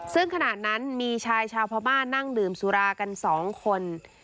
ซึ่งขณะนั้นมีชายชาวพม่านั่งดื่มสุรากัน๒คน